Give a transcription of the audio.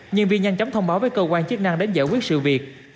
nhân viên nhanh chóng thông báo với cơ quan chức năng đến giải quyết sự việc